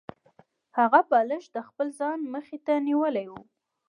هغه بالښت د خپل ځان مخې ته نیولی و